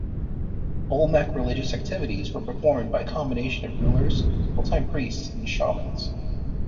Olmec religious activities were performed by a combination of rulers, full-time priests, and shamans.